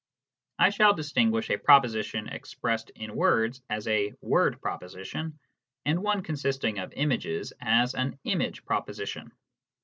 I shall distinguish a proposition expressed in words as a " word proposition," and one consisting of images as an " image proposition."